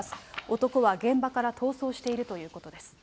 男は現場から逃走しているということです。